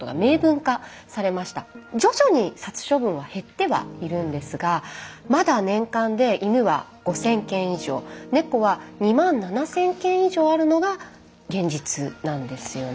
徐々に殺処分は減ってはいるんですがまだ年間で犬は５，０００件以上猫は２万７，０００件以上あるのが現実なんですよね。